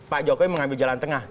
pak jokowi mengambil jalan tengah